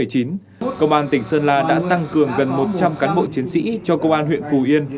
công an tỉnh sơn la đã tăng cường gần một trăm linh cán bộ chiến sĩ cho công an huyện phù yên